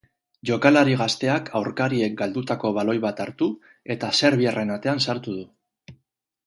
Jokalari gazteak aurkariek galdutako baloi bat hartu, eta serbiarren atean sartu du.